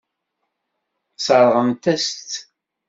Sseṛɣent-as-tt.